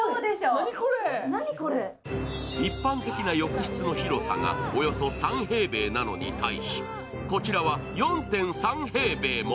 一般的な浴室の広さが、およそ３平米なのに対しこちらは４．３平米も。